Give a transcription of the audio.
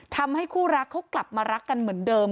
ทำให้คู่รักเขากลับมารักกันเหมือนเดิม